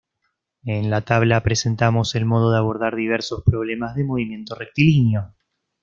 En la Tabla presentamos el modo de abordar diversos problemas de movimiento rectilíneo.